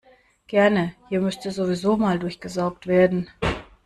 Gerne, hier müsste sowieso mal durchgesaugt werden.